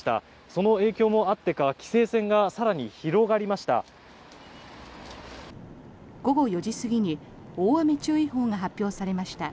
その影響もあってか規制線が更に広がりました。